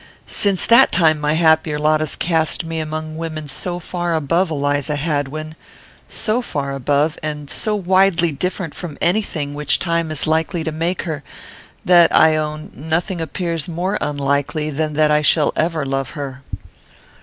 Since that time my happier lot has cast me among women so far above Eliza Hadwin, so far above, and so widely different from any thing which time is likely to make her, that, I own, nothing appears more unlikely than that I shall ever love her."